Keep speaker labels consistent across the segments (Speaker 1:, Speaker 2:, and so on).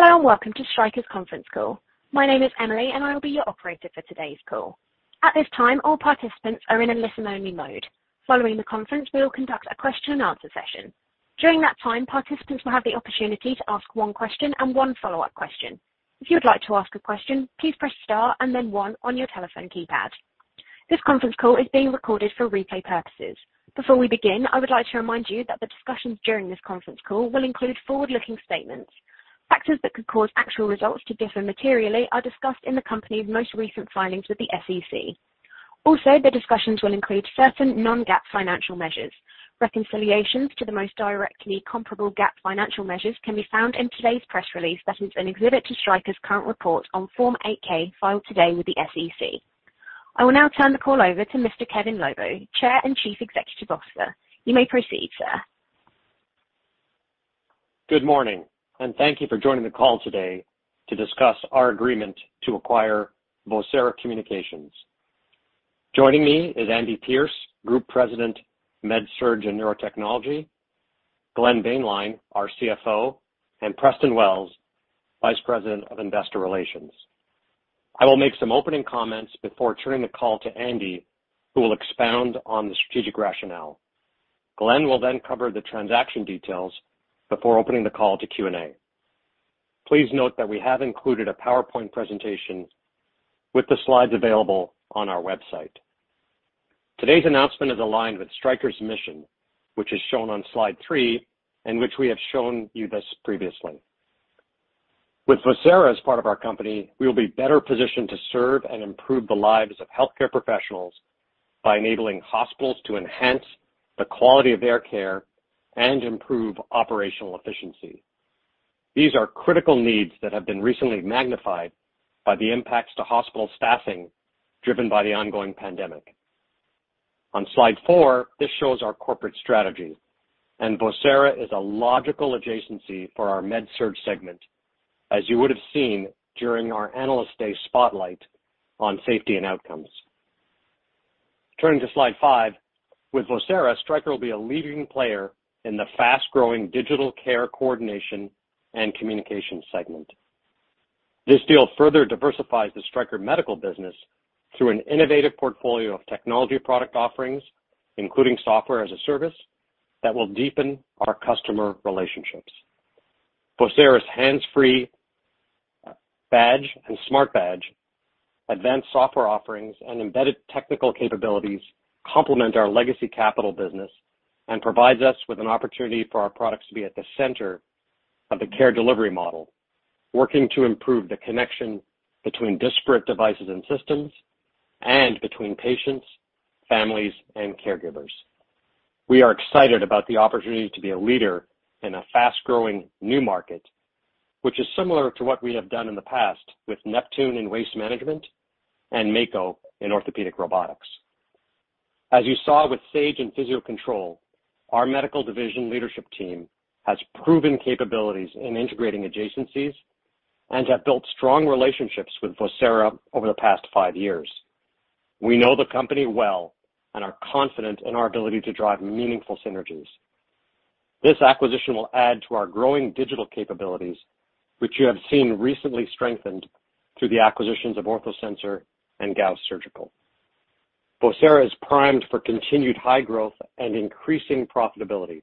Speaker 1: Hello, and welcome to Stryker's conference call. My name is Emily, and I will be your operator for today's call. At this time, all participants are in a listen-only mode. Following the conference, we will conduct a question-and-answer session. During that time, participants will have the opportunity to ask one question and one follow-up question. If you would like to ask a question, please press star and then one on your telephone keypad. This conference call is being recorded for replay purposes. Before we begin, I would like to remind you that the discussions during this conference call will include forward-looking statements. Factors that could cause actual results to differ materially are discussed in the company's most recent filings with the SEC. Also, the discussions will include certain non-GAAP financial measures. Reconciliations to the most directly comparable GAAP financial measures can be found in today's press release that is an exhibit to Stryker's current report on Form 8-K, filed today with the SEC. I will now turn the call over to Mr. Kevin Lobo, Chair and Chief Executive Officer. You may proceed, sir.
Speaker 2: Good morning, and thank you for joining the call today to discuss our agreement to acquire Vocera Communications. Joining me is Andy Pierce, Group President, MedSurg and Neurotechnology, Glenn Boehnlein, our CFO, and Preston Wells, Vice President of Investor Relations. I will make some opening comments before turning the call to Andy, who will expound on the strategic rationale. Glenn will then cover the transaction details before opening the call to Q&A. Please note that we have included a PowerPoint presentation with the slides available on our website. Today's announcement is aligned with Stryker's mission, which is shown on slide three and which we have shown you this previously. With Vocera as part of our company, we will be better positioned to serve and improve the lives of healthcare professionals by enabling hospitals to enhance the quality of their care and improve operational efficiency. These are critical needs that have been recently magnified by the impacts to hospital staffing driven by the ongoing pandemic. On slide four, this shows our corporate strategy, and Vocera is a logical adjacency for our med surg segment, as you would've seen during our Analyst Day spotlight on safety and outcomes. Turning to slide five. With Vocera, Stryker will be a leading player in the fast-growing digital care coordination and communication segment. This deal further diversifies the Stryker medical business through an innovative portfolio of technology product offerings, including software as a service that will deepen our customer relationships. Vocera's hands-free badge and Smartbadge, advanced software offerings, and embedded technical capabilities complement our legacy capital business and provides us with an opportunity for our products to be at the center of the care delivery model, working to improve the connection between disparate devices and systems and between patients, families, and caregivers. We are excited about the opportunity to be a leader in a fast-growing new market, which is similar to what we have done in the past with Neptune in waste management and Mako in orthopedic robotics. As you saw with Sage and Physio-Control, our medical division leadership team has proven capabilities in integrating adjacencies and have built strong relationships with Vocera over the past five years. We know the company well and are confident in our ability to drive meaningful synergies. This acquisition will add to our growing digital capabilities, which you have seen recently strengthened through the acquisitions of OrthoSensor and Gauss Surgical. Vocera is primed for continued high growth and increasing profitability,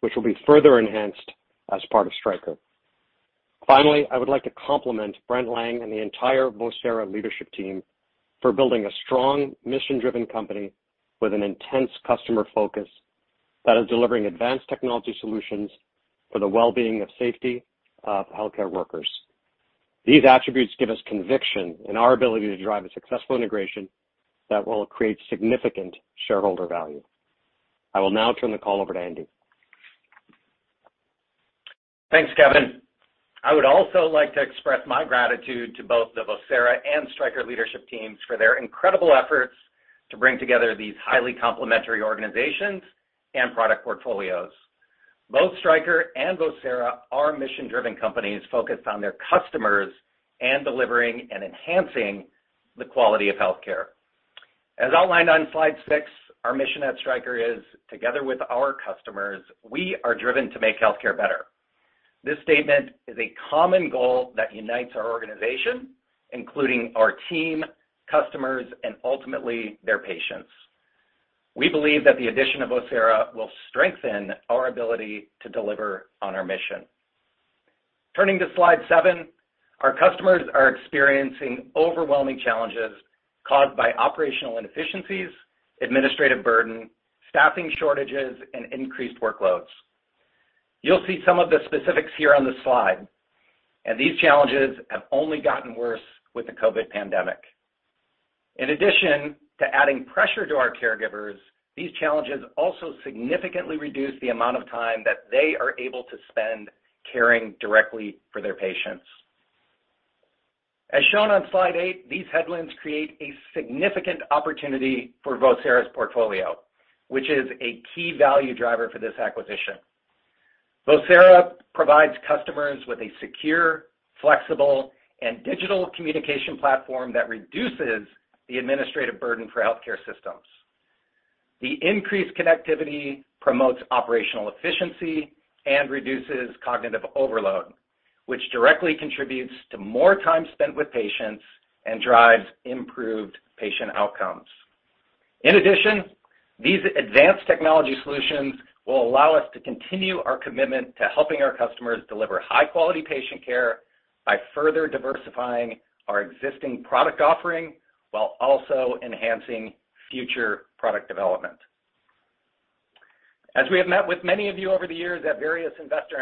Speaker 2: which will be further enhanced as part of Stryker. Finally, I would like to compliment Brent Lang and the entire Vocera leadership team for building a strong mission-driven company with an intense customer focus that is delivering advanced technology solutions for the well-being and safety of healthcare workers. These attributes give us conviction in our ability to drive a successful integration that will create significant shareholder value. I will now turn the call over to Andy.
Speaker 3: Thanks, Kevin. I would also like to express my gratitude to both the Vocera and Stryker leadership teams for their incredible efforts to bring together these highly complementary organizations and product portfolios. Both Stryker and Vocera are mission-driven companies focused on their customers and delivering and enhancing the quality of healthcare. As outlined on slide six, our mission at Stryker is, together with our customers, we are driven to make healthcare better. This statement is a common goal that unites our organization, including our team, customers, and ultimately their patients. We believe that the addition of Vocera will strengthen our ability to deliver on our mission. Turning to slide seven. Our customers are experiencing overwhelming challenges caused by operational inefficiencies, administrative burden, staffing shortages, and increased workloads. You'll see some of the specifics here on the slide, and these challenges have only gotten worse with the COVID pandemic. In addition to adding pressure to our caregivers, these challenges also significantly reduce the amount of time that they are able to spend caring directly for their patients. As shown on slide eight, these headwinds create a significant opportunity for Vocera's portfolio, which is a key value driver for this acquisition. Vocera provides customers with a secure, flexible, and digital communication platform that reduces the administrative burden for healthcare systems. The increased connectivity promotes operational efficiency and reduces cognitive overload, which directly contributes to more time spent with patients and drives improved patient outcomes. In addition, these advanced technology solutions will allow us to continue our commitment to helping our customers deliver high-quality patient care by further diversifying our existing product offering while also enhancing future product development. As we have met with many of you over the years at various investor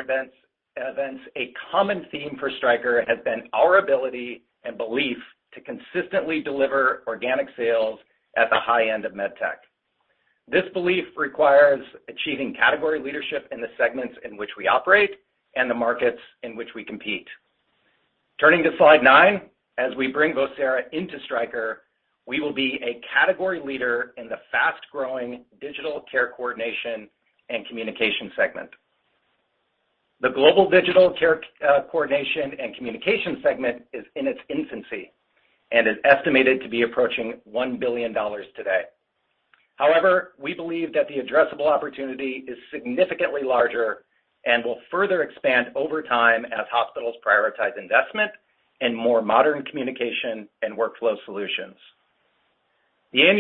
Speaker 3: events, a common theme for Stryker has been our ability and belief to consistently deliver organic sales at the high end of medtech. This belief requires achieving category leadership in the segments in which we operate and the markets in which we compete. Turning to slide nine, as we bring Vocera into Stryker, we will be a category leader in the fast-growing digital care coordination and communication segment. The global digital care coordination and communication segment is in its infancy and is estimated to be approaching $1 billion today. However, we believe that the addressable opportunity is significantly larger and will further expand over time as hospitals prioritize investment in more modern communication and workflow solutions. The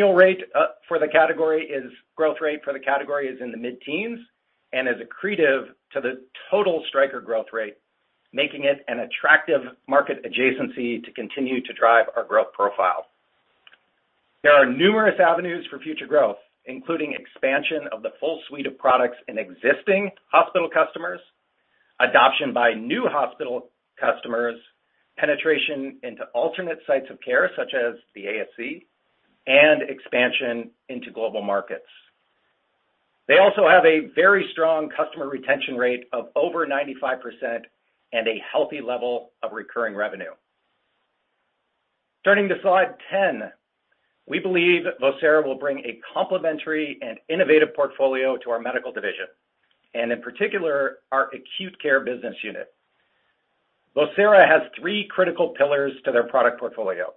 Speaker 3: growth rate for the category is in the mid-teens and is accretive to the total Stryker growth rate, making it an attractive market adjacency to continue to drive our growth profile. There are numerous avenues for future growth, including expansion of the full suite of products in existing hospital customers, adoption by new hospital customers, penetration into alternate sites of care such as the ASC, and expansion into global markets. They also have a very strong customer retention rate of over 95% and a healthy level of recurring revenue. Turning to slide 10. We believe Vocera will bring a complementary and innovative portfolio to our medical division and, in particular, our acute care business unit. Vocera has three critical pillars to their product portfolio.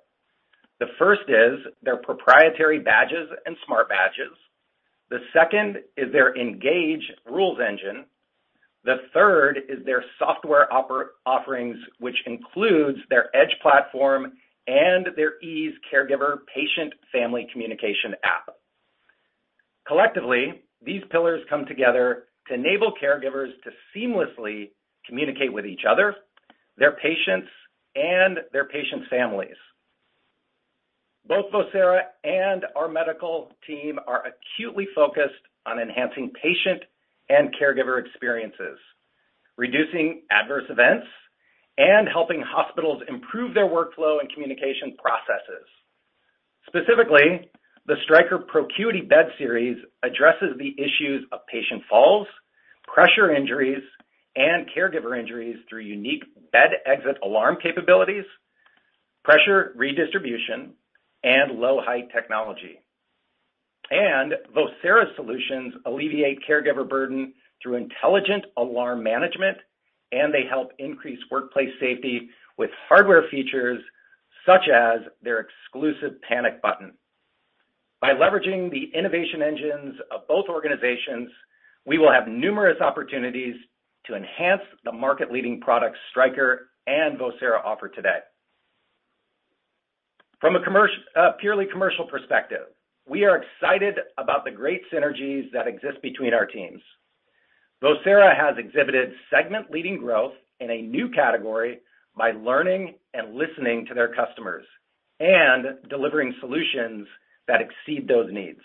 Speaker 3: The first is their proprietary badges and smart badges. The second is their Engage rules engine. The third is their software offerings, which includes their Edge platform and their Ease caregiver-patient-family communication app. Collectively, these pillars come together to enable caregivers to seamlessly communicate with each other, their patients, and their patients' families. Both Vocera and our medical team are acutely focused on enhancing patient and caregiver experiences, reducing adverse events, and helping hospitals improve their workflow and communication processes. Specifically, the Stryker ProCuity bed series addresses the issues of patient falls, pressure injuries, and caregiver injuries through unique bed exit alarm capabilities, pressure redistribution, and low-height technology. Vocera solutions alleviate caregiver burden through intelligent alarm management, and they help increase workplace safety with hardware features such as their exclusive panic button. By leveraging the innovation engines of both organizations, we will have numerous opportunities to enhance the market-leading products Stryker and Vocera offer today. From a purely commercial perspective, we are excited about the great synergies that exist between our teams. Vocera has exhibited segment-leading growth in a new category by learning and listening to their customers and delivering solutions that exceed those needs.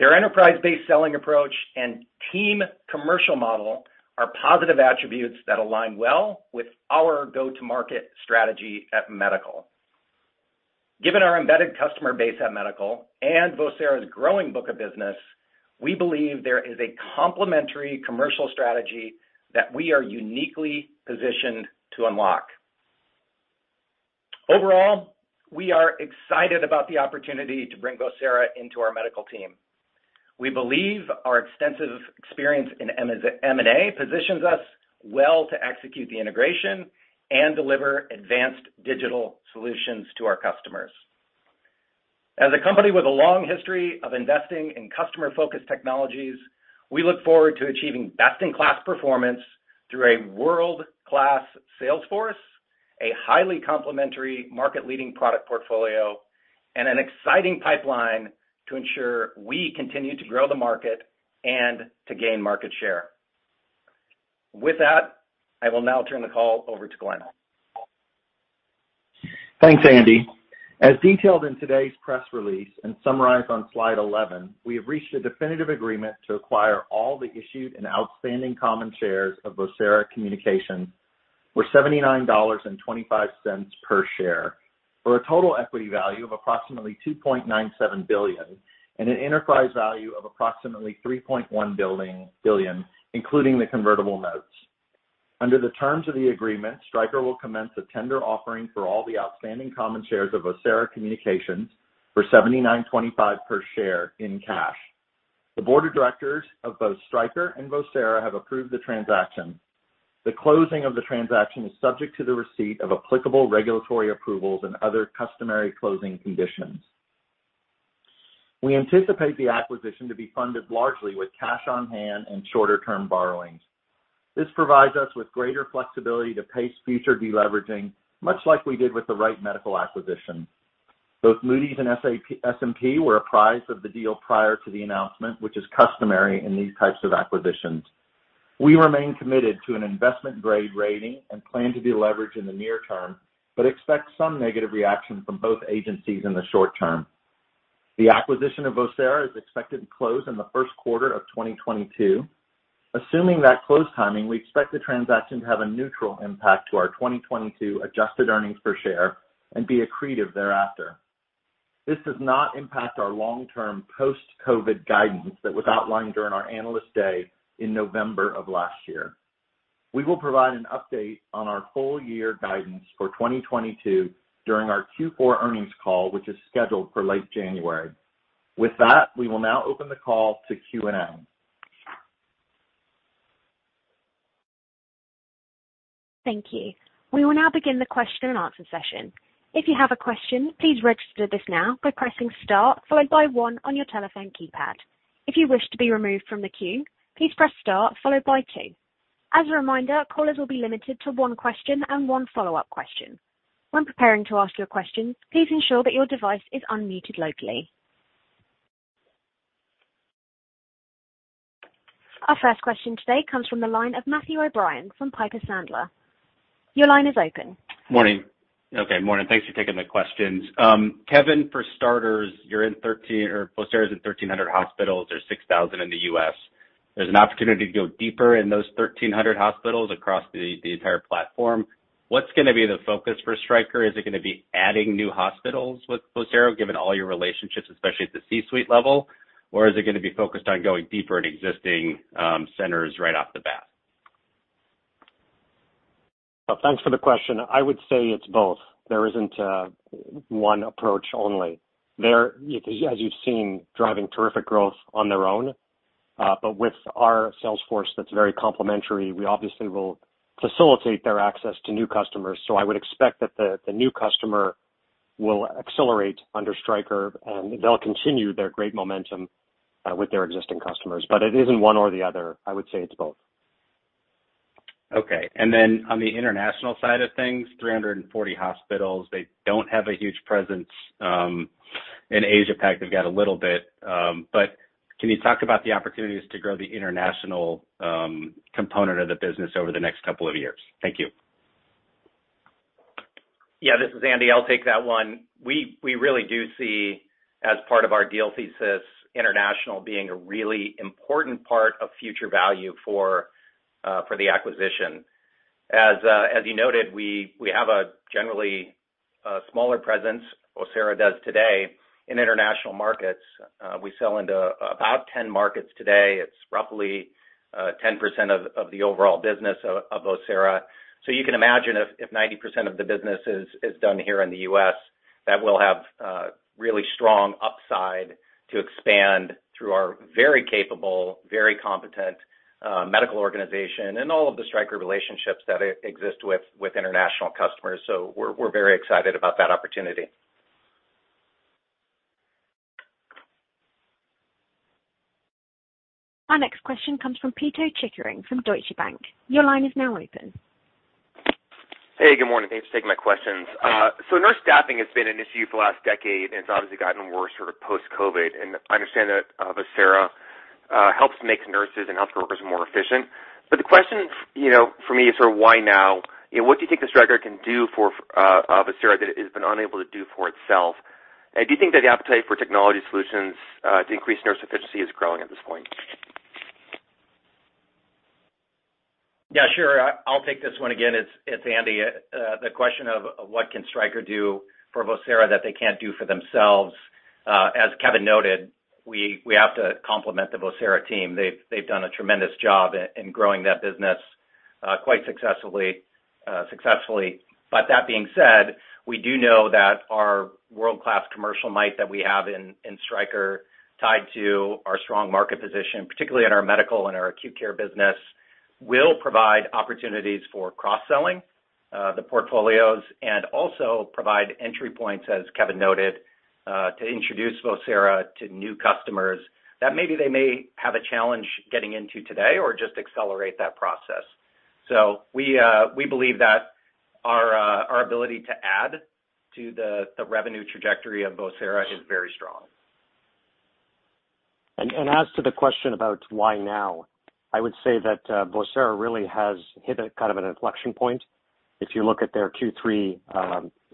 Speaker 3: Their enterprise-based selling approach and team commercial model are positive attributes that align well with our go-to-market strategy at medical. Given our embedded customer base at medical and Vocera's growing book of business, we believe there is a complementary commercial strategy that we are uniquely positioned to unlock. Overall, we are excited about the opportunity to bring Vocera into our medical team. We believe our extensive experience in M&A positions us well to execute the integration and deliver advanced digital solutions to our customers. As a company with a long history of investing in customer-focused technologies, we look forward to achieving best-in-class performance through a world-class sales force, a highly complementary market-leading product portfolio, and an exciting pipeline to ensure we continue to grow the market and to gain market share. With that, I will now turn the call over to Glenn.
Speaker 4: Thanks, Andy. As detailed in today's press release and summarized on slide 11, we have reached a definitive agreement to acquire all the issued and outstanding common shares of Vocera Communications for $79.25 per share for a total equity value of approximately $2.97 billion and an enterprise value of approximately $3.1 billion, including the convertible notes. Under the terms of the agreement, Stryker will commence a tender offering for all the outstanding common shares of Vocera Communications for $79.25 per share in cash. The board of directors of both Stryker and Vocera have approved the transaction. The closing of the transaction is subject to the receipt of applicable regulatory approvals and other customary closing conditions. We anticipate the acquisition to be funded largely with cash on hand and shorter-term borrowings. This provides us with greater flexibility to pace future deleveraging, much like we did with the Wright Medical acquisition. Both Moody's and S&P were apprised of the deal prior to the announcement, which is customary in these types of acquisitions. We remain committed to an investment-grade rating and plan to be leveraged in the near term, but expect some negative reaction from both agencies in the short term. The acquisition of Vocera is expected to close in the first quarter of 2022. Assuming that close timing, we expect the transaction to have a neutral impact to our 2022 adjusted earnings per share and be accretive thereafter. This does not impact our long-term post-COVID guidance that was outlined during our Analyst Day in November of last year. We will provide an update on our full year guidance for 2022 during our Q4 earnings call, which is scheduled for late January. With that, we will now open the call to Q&A.
Speaker 1: Thank you. We will now begin the question-and-answer session. If you have a question, please register this now by pressing Star followed by one on your telephone keypad. If you wish to be removed from the queue, please press Star followed by two. As a reminder, callers will be limited to one question and one follow-up question. When preparing to ask your question, please ensure that your device is unmuted locally. Our first question today comes from the line of Matt O'Brien from Piper Sandler. Your line is open.
Speaker 5: Morning. Okay, morning. Thanks for taking my questions. Kevin, for starters, you're in 1,300 or Vocera's in 1,300 hospitals. There's 6,000 in the U.S. There's an opportunity to go deeper in those 1,300 hospitals across the entire platform. What's gonna be the focus for Stryker? Is it gonna be adding new hospitals with Vocera, given all your relationships, especially at the C-suite level? Or is it gonna be focused on going deeper in existing centers right off the bat?
Speaker 2: Thanks for the question. I would say it's both. There isn't one approach only. They're, as you've seen, driving terrific growth on their own. But with our sales force that's very complementary, we obviously will facilitate their access to new customers. So I would expect that the new customer will accelerate under Stryker, and they'll continue their great momentum with their existing customers. But it isn't one or the other. I would say it's both.
Speaker 5: Okay. On the international side of things, 340 hospitals, they don't have a huge presence in Asia Pac. They've got a little bit, but can you talk about the opportunities to grow the international component of the business over the next couple of years? Thank you.
Speaker 3: Yeah, this is Andy. I'll take that one. We really do see, as part of our deal thesis, international being a really important part of future value for the acquisition. As you noted, we have a generally smaller presence, Vocera does today in international markets. We sell into about 10 markets today. It's roughly 10% of the overall business of Vocera. So you can imagine if 90% of the business is done here in the U.S., that will have really strong upside to expand through our very capable, very competent medical organization and all of the Stryker relationships that exist with international customers. So we're very excited about that opportunity.
Speaker 1: Our next question comes from Pito Chickering from Deutsche Bank. Your line is now open.
Speaker 6: Hey, good morning. Thanks for taking my questions. Nurse staffing has been an issue for the last decade, and it's obviously gotten worse sort of post-COVID. I understand that Vocera helps make nurses and health workers more efficient. But the question, you know, for me is sort of why now? You know, what do you think the Stryker can do for Vocera that it has been unable to do for itself? Do you think that the appetite for technology solutions to increase nurse efficiency is growing at this point?
Speaker 3: Yeah, sure. I'll take this one again. It's Andy. The question of what can Stryker do for Vocera that they can't do for themselves. As Kevin noted, we have to compliment the Vocera team. They've done a tremendous job in growing that business quite successfully. But that being said, we do know that our world-class commercial might that we have in Stryker tied to our strong market position, particularly in our medical and our acute care business, will provide opportunities for cross-selling the portfolios and also provide entry points, as Kevin noted, to introduce Vocera to new customers that maybe they may have a challenge getting into today or just accelerate that process. We believe that our ability to add to the revenue trajectory of Vocera is very strong.
Speaker 2: As to the question about why now, I would say that Vocera really has hit a kind of an inflection point. If you look at their Q3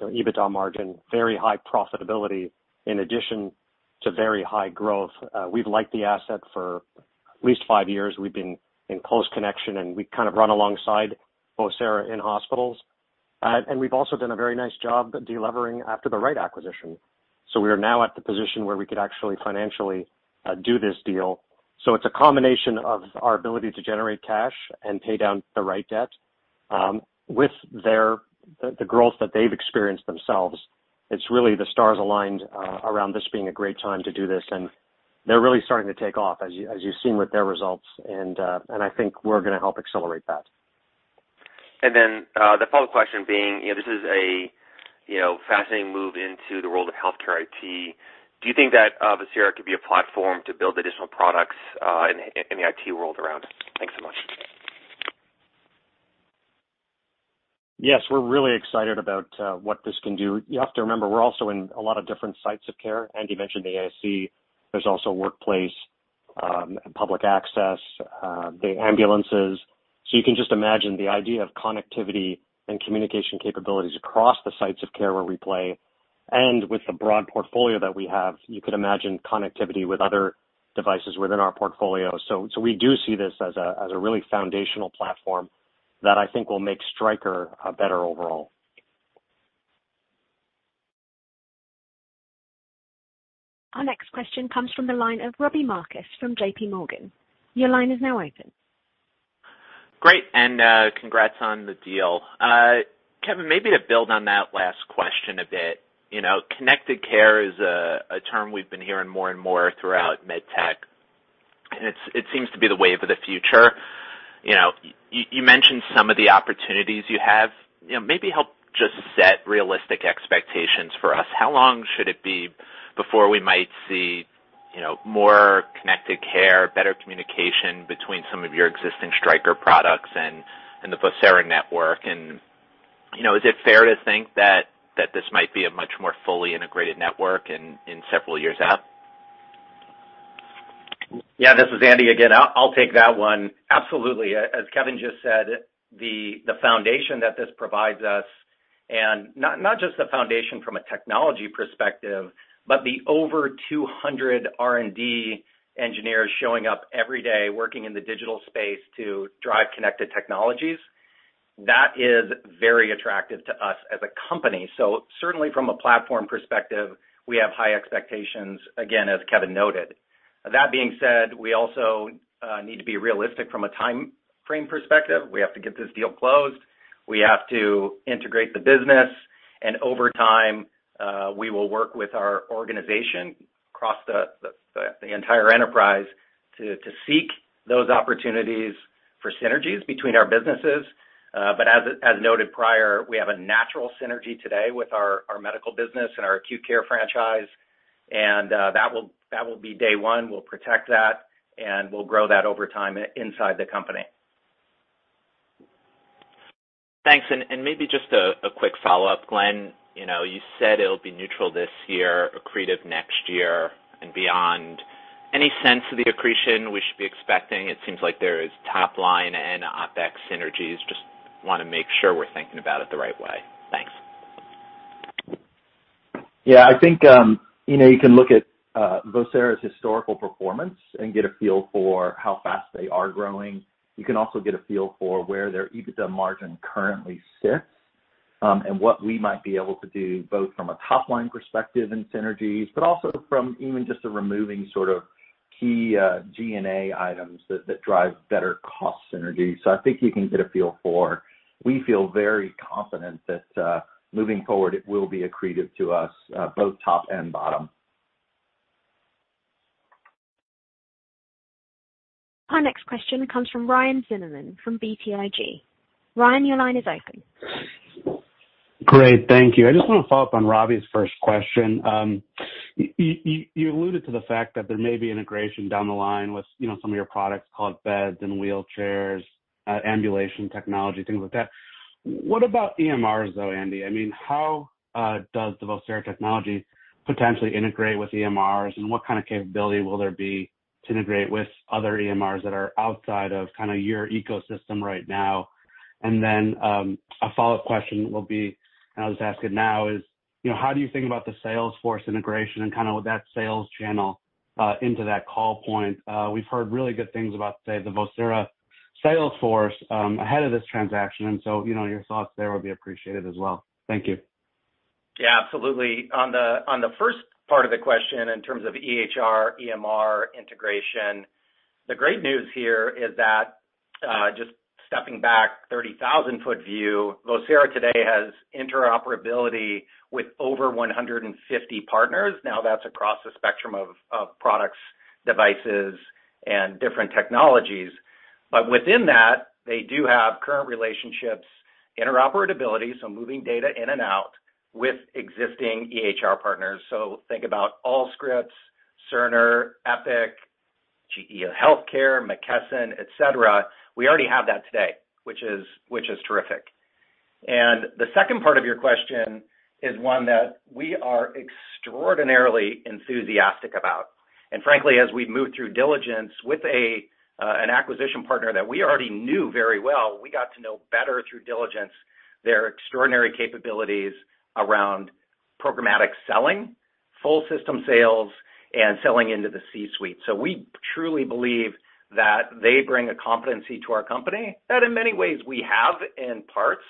Speaker 2: EBITDA margin, very high profitability in addition to very high growth. We've liked the asset for at least five years. We've been in close connection, and we kind of run alongside Vocera in hospitals. We've also done a very nice job delevering after the Wright acquisition. We are now at the position where we could actually financially do this deal. It's a combination of our ability to generate cash and pay down the right debt, with their growth that they've experienced themselves. It's really the stars aligned around this being a great time to do this, and they're really starting to take off as you, as you've seen with their results, and I think we're gonna help accelerate that.
Speaker 6: The following question being, you know, this is a, you know, fascinating move into the world of healthcare IT. Do you think that Vocera could be a platform to build additional products in the IT world around? Thanks so much.
Speaker 2: Yes, we're really excited about what this can do. You have to remember, we're also in a lot of different sites of care. Andy mentioned the ASC. There's also workplace, public access, the ambulances. You can just imagine the idea of connectivity and communication capabilities across the sites of care where we play, and with the broad portfolio that we have, you could imagine connectivity with other devices within our portfolio. We do see this as a really foundational platform that I think will make Stryker better overall.
Speaker 1: Our next question comes from the line of Robbie Marcus from J.P. Morgan. Your line is now open.
Speaker 7: Great, congrats on the deal. Kevin, maybe to build on that last question a bit, you know, connected care is a term we've been hearing more and more throughout medtech, and it seems to be the wave of the future. You know, you mentioned some of the opportunities you have. You know, maybe help just set realistic expectations for us. How long should it be before we might see, you know, more connected care, better communication between some of your existing Stryker products and the Vocera network? You know, is it fair to think that this might be a much more fully integrated network in several years out?
Speaker 3: Yeah, this is Andy again. I'll take that one. Absolutely. As Kevin just said, the foundation that this provides us and not just the foundation from a technology perspective, but the over 200 R&D engineers showing up every day, working in the digital space to drive connected technologies, that is very attractive to us as a company. Certainly from a platform perspective, we have high expectations, again, as Kevin noted. That being said, we also need to be realistic from a timeframe perspective. We have to get this deal closed. We have to integrate the business. Over time, we will work with our organization across the entire enterprise to seek those opportunities for synergies between our businesses. As noted prior, we have a natural synergy today with our medical business and our acute care franchise. That will be day one. We'll protect that, and we'll grow that over time inside the company.
Speaker 7: Thanks. Maybe just a quick follow-up. Glenn, you know, you said it'll be neutral this year, accretive next year and beyond. Any sense of the accretion we should be expecting? It seems like there is top line and OpEx synergies. Just wanna make sure we're thinking about it the right way. Thanks.
Speaker 4: Yeah. I think, you know, you can look at Vocera's historical performance and get a feel for how fast they are growing. You can also get a feel for where their EBITDA margin currently sits, and what we might be able to do both from a top-line perspective and synergies, but also from even just the removing sort of key G&A items that drive better cost synergies. I think you can get a feel for it. We feel very confident that, moving forward, it will be accretive to us, both top and bottom.
Speaker 1: Our next question comes from Ryan Zimmerman from BTIG. Ryan, your line is open.
Speaker 8: Great. Thank you. I just wanna follow up on Robbie's first question. You alluded to the fact that there may be integration down the line with, you know, some of your products, call it beds and wheelchairs, ambulation technology, things like that. What about EMRs though, Andy? I mean, how does the Vocera technology potentially integrate with EMRs, and what kind of capability will there be to integrate with other EMRs that are outside of kinda your ecosystem right now? And then, a follow-up question will be, and I'll just ask it now, is, you know, how do you think about the Salesforce integration and kinda that sales channel into that call point? We've heard really good things about, say, the Vocera Salesforce, ahead of this transaction, and so, you know, your thoughts there would be appreciated as well. Thank you.
Speaker 3: Yeah, absolutely. On the first part of the question in terms of EHR, EMR integration, the great news here is that just stepping back 30,000-foot view, Vocera today has interoperability with over 150 partners. Now, that's across the spectrum of products, devices, and different technologies. But within that, they do have current relationships, interoperability, so moving data in and out with existing EHR partners. So think about Allscripts, Cerner, Epic, GE HealthCare, McKesson, et cetera. We already have that today, which is terrific. The second part of your question is one that we are extraordinarily enthusiastic about. Frankly, as we moved through diligence with an acquisition partner that we already knew very well, we got to know better through diligence their extraordinary capabilities around programmatic selling, full system sales, and selling into the C-suite. We truly believe that they bring a competency to our company that in many ways we have in parts.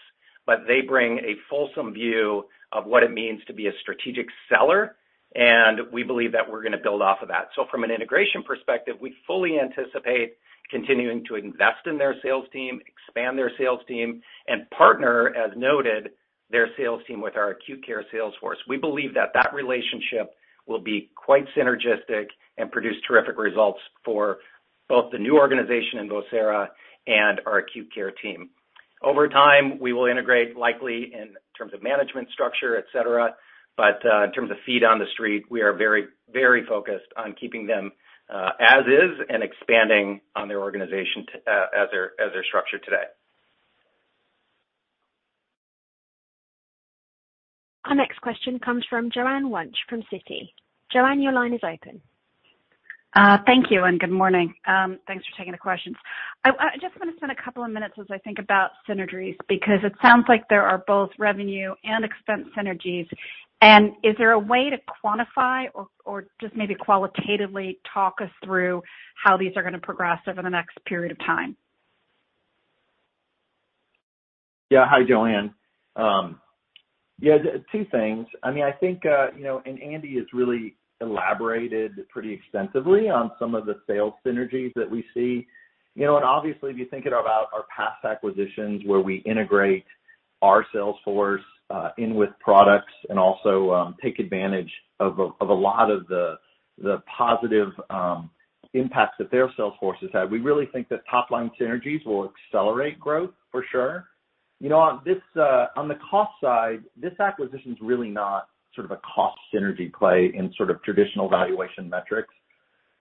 Speaker 3: They bring a fulsome view of what it means to be a strategic seller, and we believe that we're gonna build off of that. From an integration perspective, we fully anticipate continuing to invest in their sales team, expand their sales team, and partner, as noted, their sales team with our acute care sales force. We believe that that relationship will be quite synergistic and produce terrific results for both the new organization in Vocera and our acute care team. Over time, we will integrate likely in terms of management structure, et cetera. In terms of feet on the street, we are very, very focused on keeping them as is and expanding on their organization as they're structured today.
Speaker 1: Our next question comes from Joanne Wuensch from Citi. Joanne, your line is open.
Speaker 9: Thank you, and good morning. Thanks for taking the questions. I just wanna spend a couple of minutes as I think about synergies because it sounds like there are both revenue and expense synergies. Is there a way to quantify or just maybe qualitatively talk us through how these are gonna progress over the next period of time?
Speaker 4: Yeah. Hi, Joanne. Yeah, two things. I mean, I think, you know, and Andy has really elaborated pretty extensively on some of the sales synergies that we see. You know, and obviously, if you think about our past acquisitions where we integrate our sales force in with products and also take advantage of a lot of the positive impacts that their sales forces had, we really think that top-line synergies will accelerate growth for sure. You know, on this, on the cost side, this acquisition's really not sort of a cost synergy play in sort of traditional valuation metrics.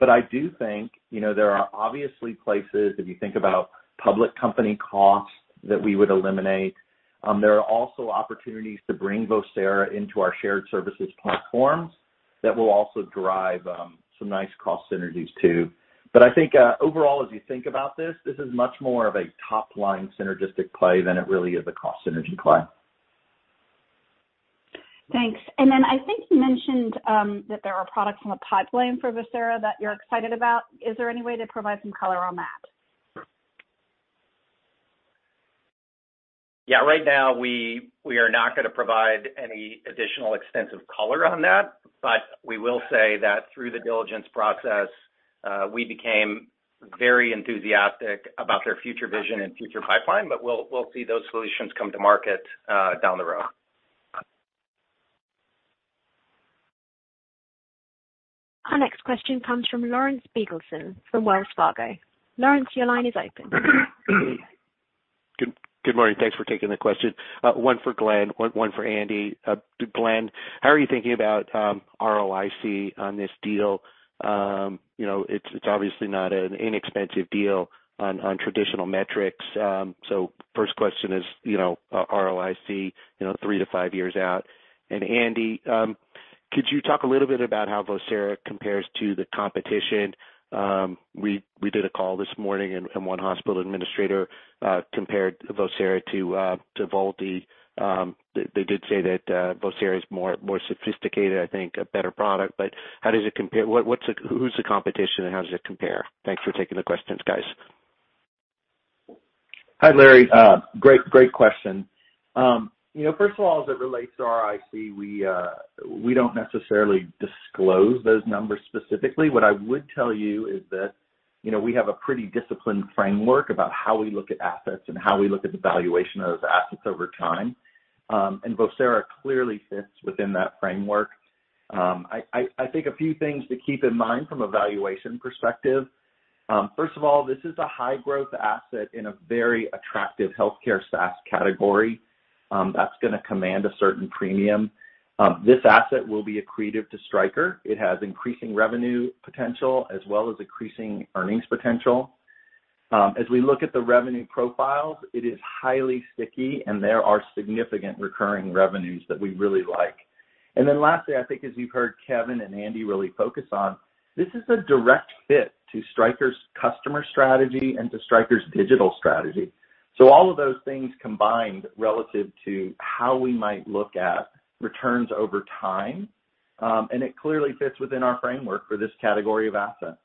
Speaker 4: I do think, you know, there are obviously places if you think about public company costs that we would eliminate. There are also opportunities to bring Vocera into our shared services platforms that will also drive some nice cost synergies too. I think, overall, as you think about this is much more of a top-line synergistic play than it really is a cost synergy play.
Speaker 9: Thanks. I think you mentioned that there are products in the pipeline for Vocera that you're excited about. Is there any way to provide some color on that?
Speaker 3: Yeah. Right now, we are not gonna provide any additional extensive color on that. We will say that through the diligence process, we became very enthusiastic about their future vision and future pipeline, but we'll see those solutions come to market down the road.
Speaker 1: Our next question comes from Lawrence Biegelsen from Wells Fargo. Lawrence, your line is open.
Speaker 10: Good morning. Thanks for taking the question. One for Glenn, one for Andy. Glenn, how are you thinking about ROIC on this deal? You know, it's obviously not an inexpensive deal on traditional metrics. So first question is, you know, ROIC, you know, three-five years out. Andy, could you talk a little bit about how Vocera compares to the competition? We did a call this morning and one hospital administrator compared Vocera to Voalte. They did say that Vocera is more sophisticated, I think a better product. But how does it compare? What's the competition and how does it compare? Thanks for taking the questions, guys.
Speaker 4: Hi, Larry. Great question. You know, first of all, as it relates to ROIC, we don't necessarily disclose those numbers specifically. What I would tell you is that, you know, we have a pretty disciplined framework about how we look at assets and how we look at the valuation of those assets over time. Vocera clearly fits within that framework. I think a few things to keep in mind from a valuation perspective, first of all, this is a high-growth asset in a very attractive healthcare SaaS category, that's gonna command a certain premium. This asset will be accretive to Stryker. It has increasing revenue potential as well as increasing earnings potential. As we look at the revenue profiles, it is highly sticky, and there are significant recurring revenues that we really like. Lastly, I think as you've heard Kevin and Andy really focus on, this is a direct fit to Stryker's customer strategy and to Stryker's digital strategy. All of those things combined relative to how we might look at returns over time, and it clearly fits within our framework for this category of asset.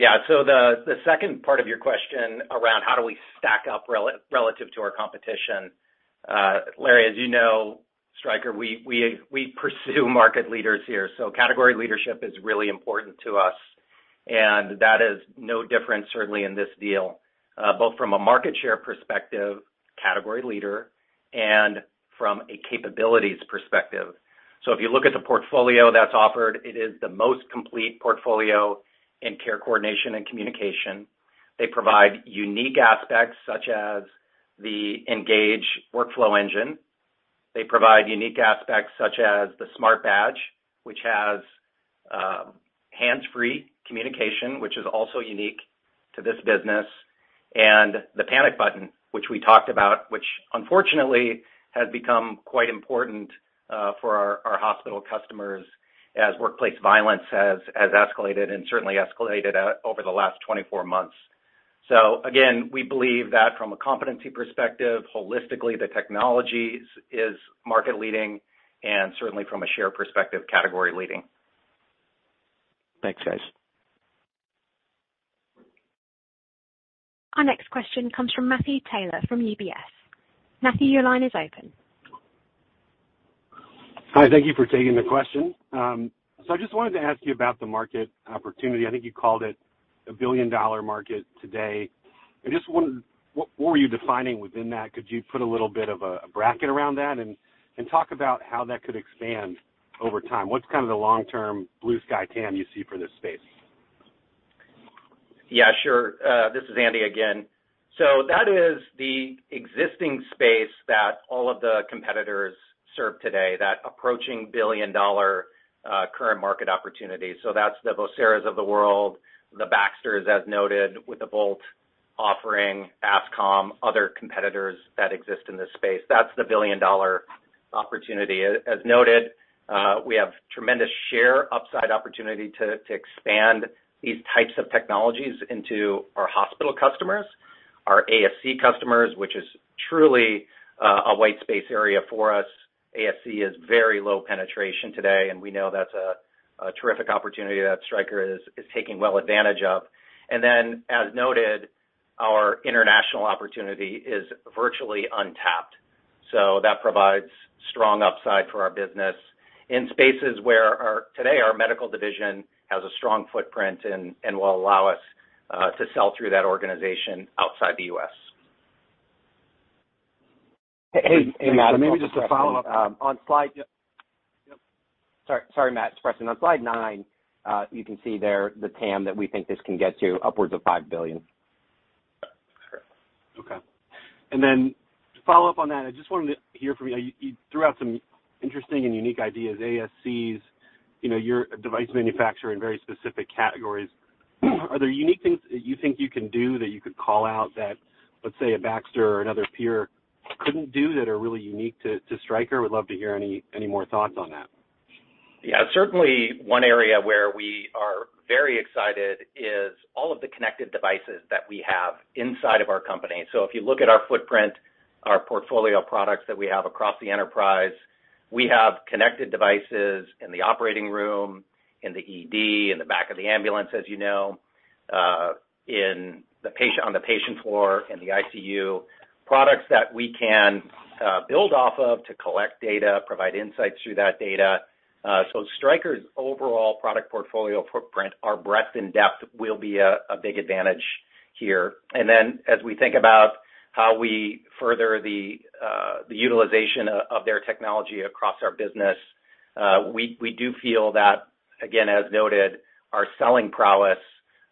Speaker 3: Yeah. The second part of your question around how do we stack up relative to our competition, Larry, as you know, Stryker, we pursue market leaders here. Category leadership is really important to us, and that is no different certainly in this deal, both from a market share perspective, category leader, and from a capabilities perspective. If you look at the portfolio that's offered, it is the most complete portfolio in care coordination and communication. They provide unique aspects such as the Engage Workflow Engine. They provide unique aspects such as the Smartbadge, which has hands-free communication, which is also unique to this business, and the panic button, which we talked about, which unfortunately has become quite important for our hospital customers as workplace violence has escalated and certainly escalated over the last 24 months. Again, we believe that from a competency perspective, holistically, the technologies is market leading and certainly from a share perspective, category leading.
Speaker 10: Thanks, guys.
Speaker 1: Our next question comes from Matthew Taylor from UBS. Matthew, your line is open.
Speaker 11: Hi. Thank you for taking the question. So I just wanted to ask you about the market opportunity. I think you called it a billion-dollar market today. I just wonder, what were you defining within that? Could you put a little bit of a bracket around that and talk about how that could expand over time? What's kind of the long-term blue sky TAM you see for this space?
Speaker 3: Yeah, sure. This is Andy again. That is the existing space that all of the competitors serve today, that approaching $1 billion current market opportunity. That's the Voceras of the world, the Baxters, as noted, with the Voalte offering, Ascom, other competitors that exist in this space. That's the $1 billion opportunity. As noted, we have tremendous share upside opportunity to expand these types of technologies into our hospital customers, our ASC customers, which is truly a white space area for us. ASC is very low penetration today, and we know that's a terrific opportunity that Stryker is taking well advantage of. As noted, our international opportunity is virtually untapped. That provides strong upside for our business in spaces where today our medical division has a strong footprint and will allow us to sell through that organization outside the U.S.
Speaker 2: Hey, Matt. Maybe just a follow-up.
Speaker 3: On slide-
Speaker 11: Yep.
Speaker 3: Sorry, Matt. On slide 9, you can see there the TAM that we think this can get to upwards of $5 billion.
Speaker 11: Okay. To follow up on that, I just wanted to hear from you. You threw out some interesting and unique ideas, ASCs, you know, you're a device manufacturer in very specific categories. Are there unique things that you think you can do that you could call out that, let's say, a Baxter or another peer couldn't do that are really unique to Stryker? Would love to hear any more thoughts on that.
Speaker 3: Yeah. Certainly one area where we are very excited is all of the connected devices that we have inside of our company. If you look at our footprint, our portfolio of products that we have across the enterprise, we have connected devices in the operating room, in the ED, in the back of the ambulance, as you know, on the patient floor, in the ICU. Products that we can build off of to collect data, provide insights through that data. Stryker's overall product portfolio footprint, our breadth and depth will be a big advantage here. As we think about how we further the utilization of their technology across our business, we do feel that, again, as noted, our selling prowess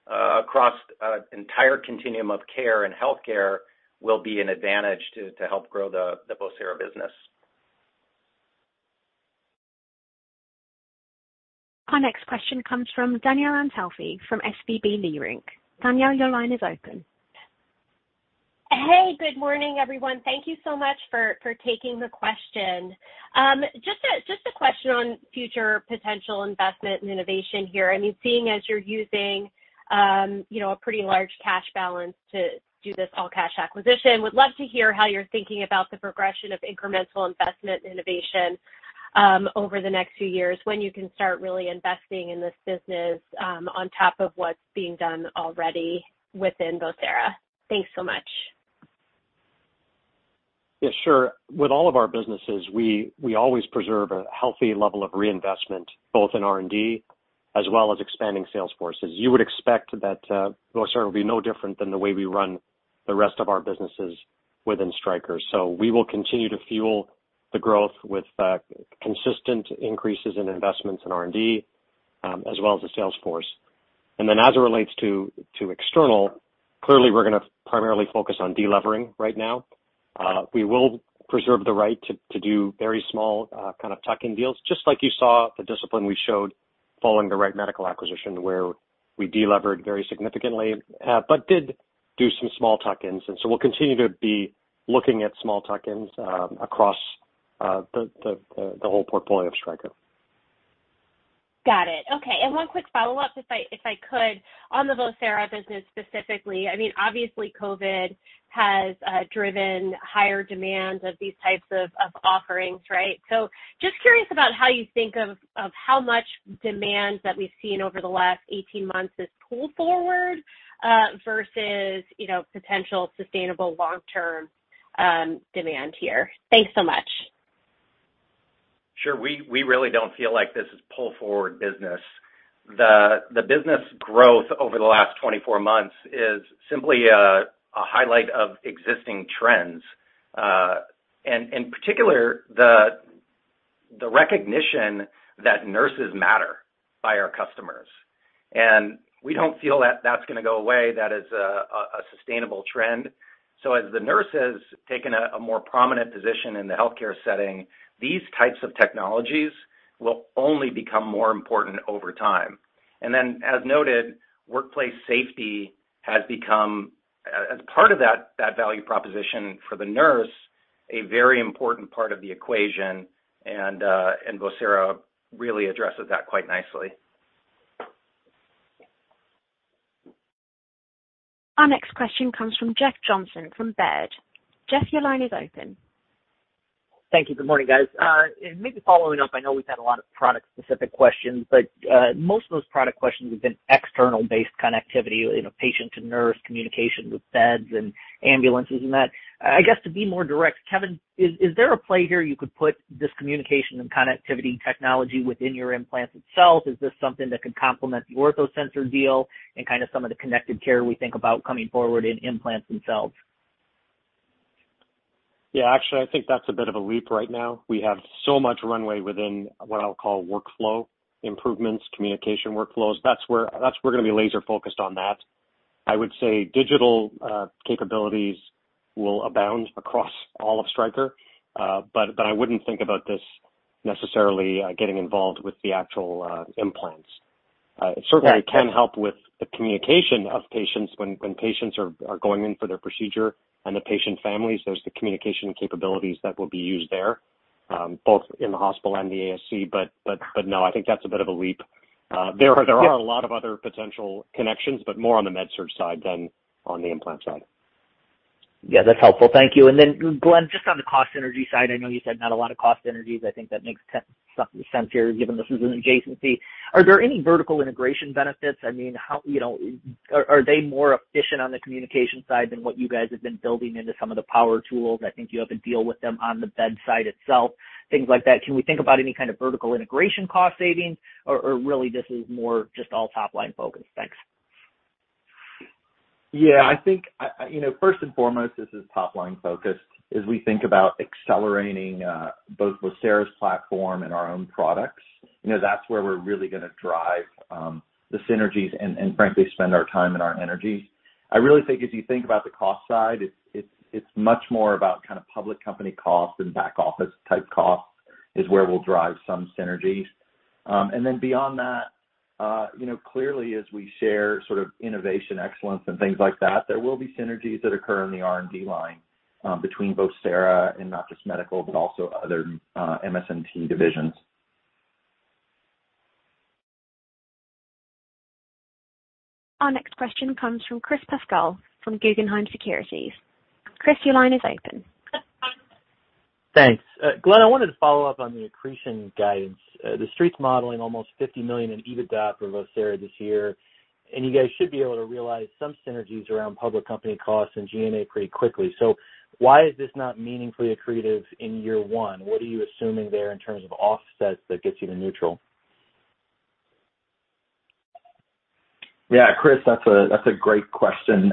Speaker 3: across an entire continuum of care and healthcare will be an advantage to help grow the Vocera business.
Speaker 1: Our next question comes from Danielle Antalffy from SVB Leerink. Danielle, your line is open.
Speaker 12: Hey, good morning, everyone. Thank you so much for taking the question. Just a question on future potential investment and innovation here. I mean, seeing as you're using, you know, a pretty large cash balance to do this all-cash acquisition, would love to hear how you're thinking about the progression of incremental investment and innovation, over the next few years, when you can start really investing in this business, on top of what's being done already within Vocera. Thanks so much.
Speaker 2: Yeah, sure. With all of our businesses, we always preserve a healthy level of reinvestment, both in R&D as well as expanding sales forces. You would expect that Vocera will be no different than the way we run the rest of our businesses within Stryker. We will continue to fuel the growth with consistent increases in investments in R&D as well as the sales force. As it relates to external, clearly, we're gonna primarily focus on delevering right now. We will preserve the right to do very small kind of tuck-in deals, just like you saw the discipline we showed following the Wright Medical acquisition, where we delevered very significantly, but did do some small tuck-ins. We'll continue to be looking at small tuck-ins across the whole portfolio of Stryker.
Speaker 12: Got it. Okay. One quick follow-up if I could on the Vocera business specifically. I mean, obviously, COVID has driven higher demand of these types of offerings, right? Just curious about how you think of how much demand that we've seen over the last 18 months is pulled forward versus you know, potential sustainable long-term demand here. Thanks so much.
Speaker 3: Sure. We really don't feel like this is pull forward business. The business growth over the last 24 months is simply a highlight of existing trends, and in particular, the recognition that nurses matter by our customers. We don't feel that that's gonna go away. That is a sustainable trend. As the nurse has taken a more prominent position in the healthcare setting, these types of technologies will only become more important over time. As noted, workplace safety has become, as part of that value proposition for the nurse, a very important part of the equation, and Vocera really addresses that quite nicely.
Speaker 1: Our next question comes from Jeff Johnson from Baird. Jeff, your line is open.
Speaker 13: Thank you. Good morning, guys. Maybe following up, I know we've had a lot of product-specific questions, but most of those product questions have been external-based connectivity, you know, patient to nurse communication with beds and ambulances and that. I guess to be more direct, Kevin, is there a play here you could put this communication and connectivity technology within your implants itself? Is this something that could complement the OrthoSensor deal and kind of some of the connected care we think about coming forward in implants themselves?
Speaker 2: Yeah, actually, I think that's a bit of a leap right now. We have so much runway within what I'll call workflow improvements, communication workflows. That's where we're gonna be laser-focused on that. I would say digital capabilities will abound across all of Stryker. I wouldn't think about this necessarily getting involved with the actual implants. It certainly can help with the communication of patients when patients are going in for their procedure and the patient families. There's the communication capabilities that will be used there both in the hospital and the ASC. No, I think that's a bit of a leap. There are a lot of other potential connections, but more on the MedSurg side than on the implant side.
Speaker 13: Yeah, that's helpful. Thank you. Glenn, just on the cost synergy side, I know you said not a lot of cost synergies. I think that makes some sense here, given this is an adjacency. Are there any vertical integration benefits? I mean, how you know, are they more efficient on the communication side than what you guys have been building into some of the power tools? I think you have a deal with them on the bedside itself, things like that. Can we think about any kind of vertical integration cost savings or really this is more just all top line focused? Thanks.
Speaker 4: Yeah, I think. You know, first and foremost, this is top line focused. As we think about accelerating both Vocera's platform and our own products, you know, that's where we're really gonna drive the synergies and frankly spend our time and our energy. I really think as you think about the cost side, it's much more about kind of public company costs and back office type costs is where we'll drive some synergies. And then beyond that, you know, clearly as we share sort of innovation excellence and things like that, there will be synergies that occur in the R&D line between both Vocera and not just medical, but also other MSNT divisions.
Speaker 1: Our next question comes from Chris Pasquale from Guggenheim Securities. Chris, your line is open.
Speaker 14: Thanks. Glenn, I wanted to follow up on the accretion guidance. The Street's modeling almost $50 million in EBITDA for Vocera this year, and you guys should be able to realize some synergies around public company costs and G&A pretty quickly. Why is this not meaningfully accretive in year one? What are you assuming there in terms of offsets that gets you to neutral?
Speaker 4: Yeah, Chris, that's a great question.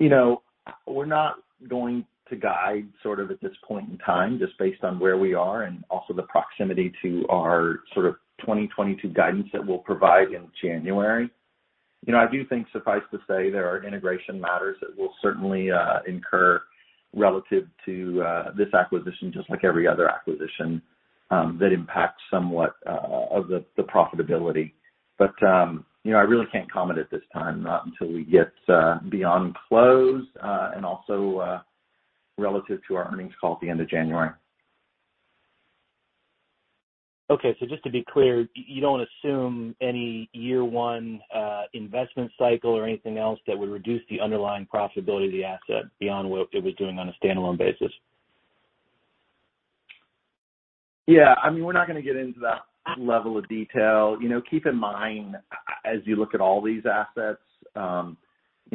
Speaker 4: You know, we're not going to guide sort of at this point in time just based on where we are and also the proximity to our sort of 2022 guidance that we'll provide in January. You know, I do think suffice to say there are integration matters that we'll certainly incur relative to this acquisition, just like every other acquisition, that impacts somewhat of the profitability. You know, I really can't comment at this time, not until we get beyond close and also relative to our earnings call at the end of January.
Speaker 14: Okay, just to be clear, you don't assume any year one investment cycle or anything else that would reduce the underlying profitability of the asset beyond what it was doing on a stand-alone basis?
Speaker 4: Yeah. I mean, we're not gonna get into that level of detail. You know, keep in mind, as you look at all these assets, you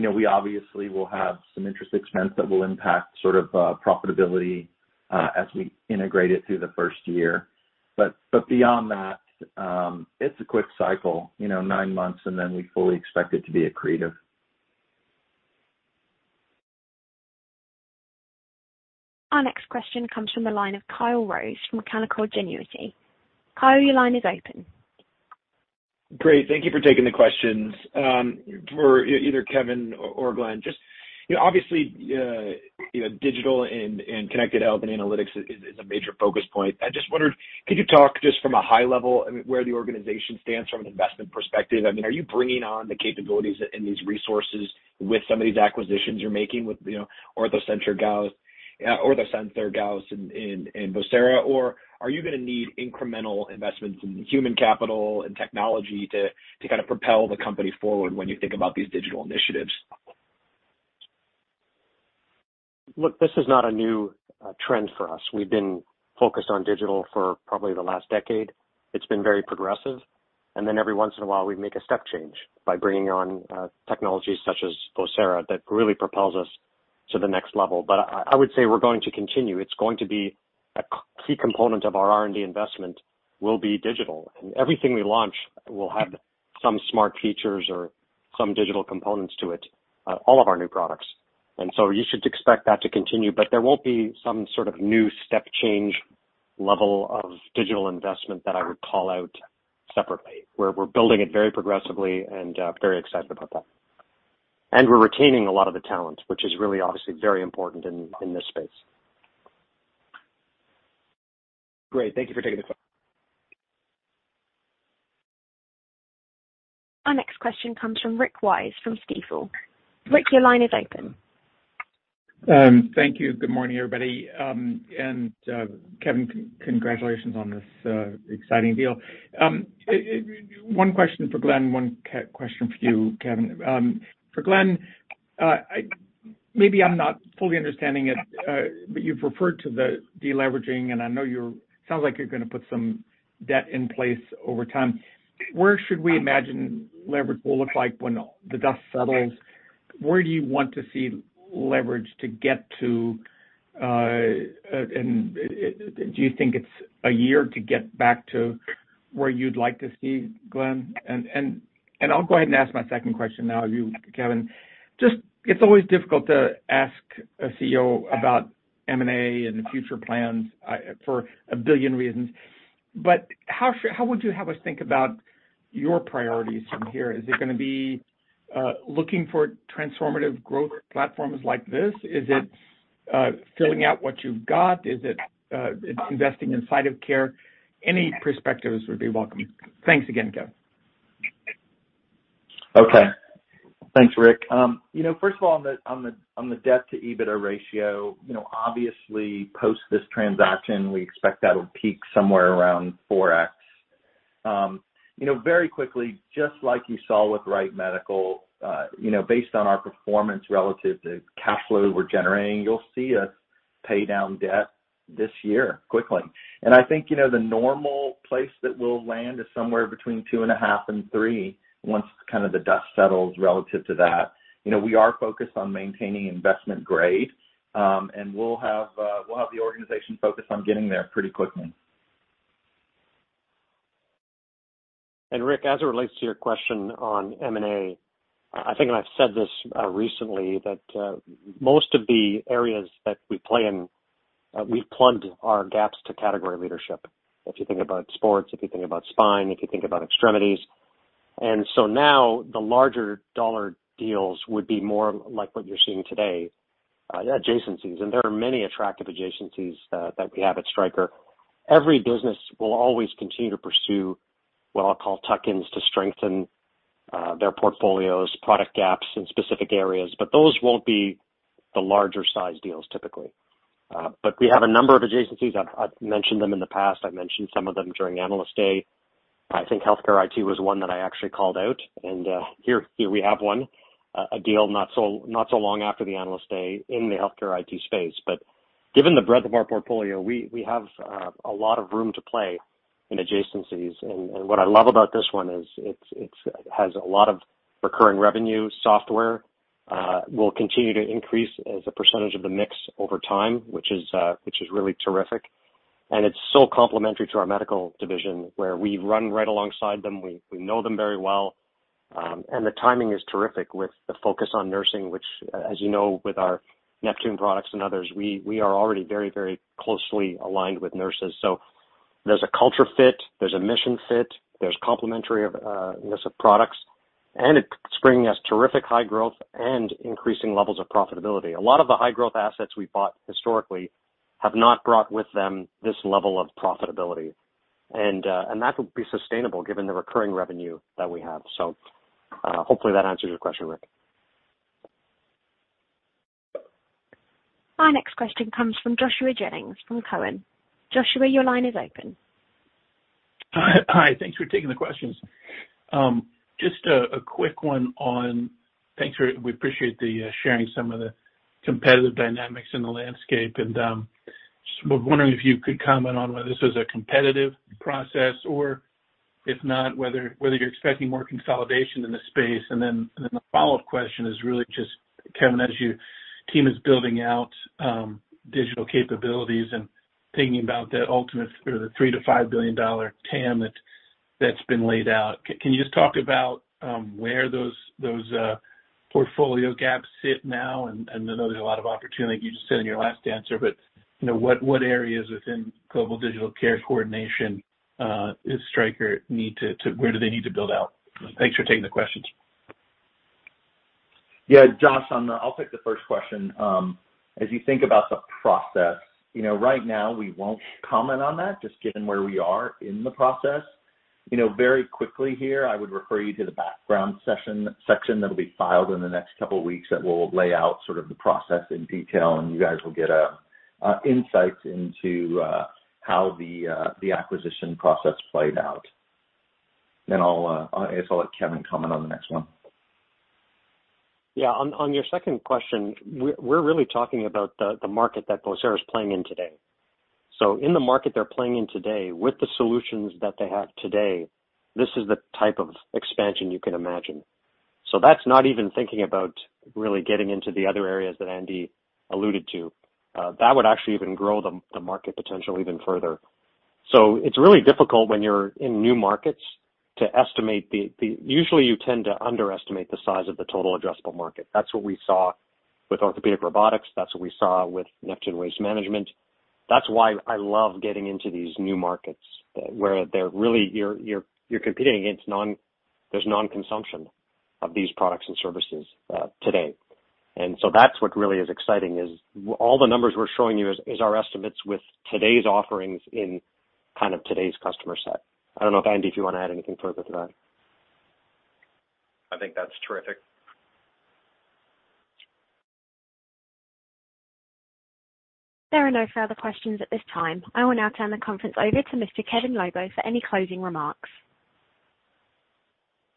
Speaker 4: know, we obviously will have some interest expense that will impact sort of profitability, as we integrate it through the first year. Beyond that, it's a quick cycle, you know, nine months, and then we fully expect it to be accretive.
Speaker 1: Our next question comes from the line of Kyle Rose from Canaccord Genuity. Kyle, your line is open.
Speaker 15: Great. Thank you for taking the questions. For either Kevin or Glenn, just, you know, obviously, you know, digital and connected health and analytics is a major focal point. I just wondered, could you talk just from a high level, I mean, where the organization stands from an investment perspective? I mean, are you bringing on the capabilities and these resources with some of these acquisitions you're making with, you know, OrthoSensor, Gauss Surgical, and Vocera? Or are you gonna need incremental investments in human capital and technology to kind of propel the company forward when you think about these digital initiatives?
Speaker 2: Look, this is not a new trend for us. We've been focused on digital for probably the last decade. It's been very progressive. Every once in a while, we make a step change by bringing on technologies such as Vocera that really propels us to the next level. I would say we're going to continue. It's going to be a key component of our R&D investment. Will be digital. Everything we launch will have some smart features or some digital components to it, all of our new products. You should expect that to continue, but there won't be some sort of new step change level of digital investment that I would call out separately, where we're building it very progressively and very excited about that. We're retaining a lot of the talent, which is really obviously very important in this space.
Speaker 15: Great. Thank you for taking the call.
Speaker 1: Our next question comes from Rick A. Wise from Stifel. Rick, your line is open.
Speaker 16: Thank you. Good morning, everybody. Kevin, congratulations on this exciting deal. One question for Glenn, one question for you, Kevin. For Glenn, maybe I'm not fully understanding it, but you've referred to the deleveraging, and I know. Sounds like you're gonna put some debt in place over time. Where should we imagine leverage will look like when the dust settles? Where do you want to see leverage to get to, and I'll go ahead and ask my second question now of you, Kevin. Just, it's always difficult to ask a CEO about M&A and future plans, for a billion reasons. How would you have us think about your priorities from here? Is it gonna be, looking for transformative growth platforms like this? Is it, filling out what you've got? Is it, investing in site of care? Any perspectives would be welcome. Thanks again, Kevin.
Speaker 4: Okay. Thanks, Rick. You know, first of all, on the debt to EBITDA ratio, you know, obviously post this transaction, we expect that'll peak somewhere around 4x. You know, very quickly, just like you saw with Wright Medical, you know, based on our performance relative to cash flow we're generating, you'll see us pay down debt this year quickly. I think, you know, the normal place that we'll land is somewhere between 2.5 and three once kind of the dust settles relative to that. You know, we are focused on maintaining investment grade, and we'll have the organization focused on getting there pretty quickly.
Speaker 2: Rick, as it relates to your question on M&A, I think I've said this recently, that most of the areas that we play in, we've plugged our gaps to category leadership. If you think about sports, if you think about spine, if you think about extremities. Now the larger dollar deals would be more like what you're seeing today, adjacencies. And there are many attractive adjacencies that we have at Stryker. Every business will always continue to pursue what I'll call tuck-ins to strengthen their portfolios, product gaps in specific areas, but those won't be the larger size deals typically. But we have a number of adjacencies. I've mentioned them in the past. I've mentioned some of them during Analyst Day. I think healthcare IT was one that I actually called out, and here we have one, a deal not so long after the Analyst Day in the healthcare IT space. Given the breadth of our portfolio, we have a lot of room to play in adjacencies. What I love about this one is it has a lot of recurring revenue software will continue to increase as a percentage of the mix over time, which is really terrific. It's so complementary to our medical division, where we run right alongside them. We know them very well. The timing is terrific with the focus on nursing, which as you know, with our Neptune products and others, we are already very closely aligned with nurses. There's a culture fit, there's a mission fit, there's complementary mix of products, and it's bringing us terrific high growth and increasing levels of profitability. A lot of the high growth assets we bought historically have not brought with them this level of profitability. that will be sustainable given the recurring revenue that we have. hopefully that answers your question, Rick.
Speaker 1: Our next question comes from Joshua Jennings from Cowen. Joshua, your line is open.
Speaker 17: Hi. Thanks for taking the questions. Just a quick one. Thanks, we appreciate the sharing some of the competitive dynamics in the landscape. I was just wondering if you could comment on whether this was a competitive process or if not, whether you're expecting more consolidation in the space. The follow-up question is really just, Kevin, as your team is building out digital capabilities and thinking about the ultimate or the $3 billion-$5 billion TAM that's been laid out, can you just talk about where those portfolio gaps sit now? I know there's a lot of opportunity, like you just said in your last answer, but you know, what areas within global digital care coordination does Stryker need to build out? Thanks for taking the questions.
Speaker 4: Yeah. Josh, on the, I'll take the first question. As you think about the process, you know, right now we won't comment on that just given where we are in the process. You know, very quickly here, I would refer you to the background section that'll be filed in the next couple weeks that will lay out sort of the process in detail, and you guys will get an insight into how the acquisition process played out. Then, I guess I'll let Kevin comment on the next one.
Speaker 2: Yeah. On your second question, we're really talking about the market that Vocera is playing in today. In the market they're playing in today, with the solutions that they have today, this is the type of expansion you can imagine. That's not even thinking about really getting into the other areas that Andy alluded to. That would actually even grow the market potential even further. It's really difficult when you're in new markets to estimate the. Usually, you tend to underestimate the size of the total addressable market. That's what we saw with orthopedic robotics. That's what we saw with Neptune waste management. That's why I love getting into these new markets, where you're really competing against non-consumption of these products and services today. That's what really is exciting, is all the numbers we're showing you is our estimates with today's offerings in kind of today's customer set. I don't know if, Andy, you wanna add anything further to that.
Speaker 3: I think that's terrific.
Speaker 1: There are no further questions at this time. I will now turn the conference over to Mr. Kevin Lobo for any closing remarks.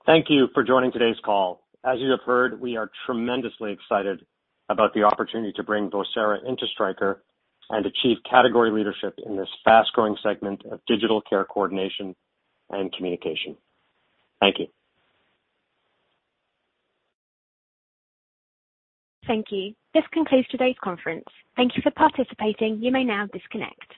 Speaker 2: Thank you for joining today's call. As you have heard, we are tremendously excited about the opportunity to bring Vocera into Stryker and achieve category leadership in this fast-growing segment of digital care coordination and communication. Thank you.
Speaker 1: Thank you. This concludes today's conference. Thank you for participating. You may now disconnect.